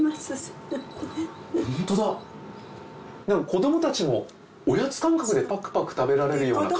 ホントだ子どもたちもおやつ感覚でパクパク食べられるような軽さ。